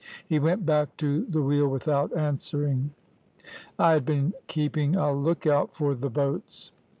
He went back to the wheel without answering. I had been keeping a look out for the boats.